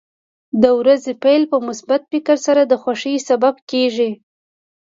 د ورځې پیل په مثبت فکر سره د خوښۍ سبب کېږي.